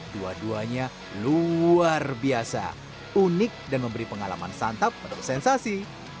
dua duanya luar biasa unik dan memberi pengalaman santap menu sensasi